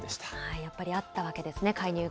やっぱりあったわけですね、介入が。